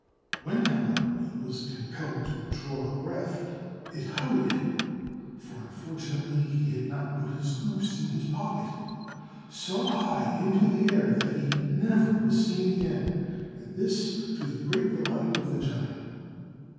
When, however, he was compelled to draw breath, it hurried him (for unfortunately he had not put his goose in his pocket) so high into the air that he never was seen again, and this to the great delight of the giant.